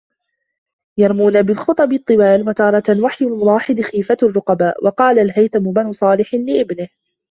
يَرْمُونَ بِالْخُطَبِ الطِّوَالِ وَتَارَةً وَحْيَ الْمَلَاحِظِ خِيفَةَ الرُّقَبَاءِ وَقَالَ الْهَيْثَمُ بْنُ صَالِحٍ لِابْنِهِ